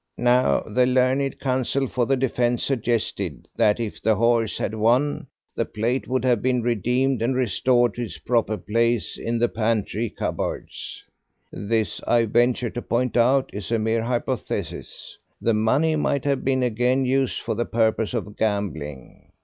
Now, the learned counsel for the defence suggested that, if the horse had won, the plate would have been redeemed and restored to its proper place in the pantry cupboards. This, I venture to point out, is a mere hypothesis. The money might have been again used for the purpose of gambling.